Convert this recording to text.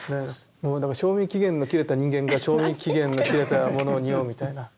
僕だから賞味期限の切れた人間が賞味期限の切れたものをにおうみたいな。